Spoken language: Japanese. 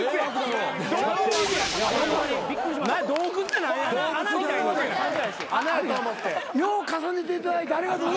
よう重ねていただいてありがとうございます。